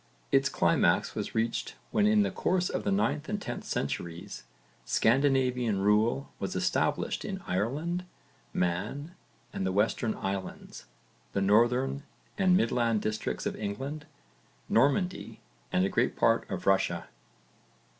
Its climax was reached when in the course of the 9th and 10th centuries Scandinavian rule was established in Ireland, Man and the Western Islands, the northern and midland districts of England, Normandy, and a great part of Russia.